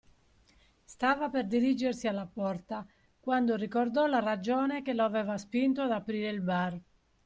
Stava per dirigersi alla porta, quando ricordò la ragione che lo aveva spinto ad aprire il bar.